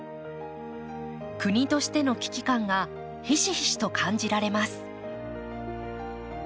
国としての危機感がひしひしと感じられます。